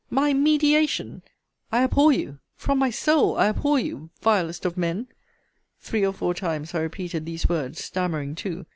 My mediation! I abhor you! From my soul, I abhor you, vilest of men! Three or four times I repeated these words, stammering too.